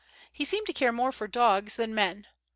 He seemed to care more for dogs than men.